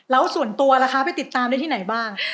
แล้วส่วนตัวล่ะคะไปติดตามได้ที่ไหนบ้าง